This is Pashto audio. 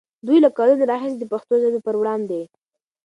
دوی له کلونو راهیسې د پښتو ژبې پر وړاندې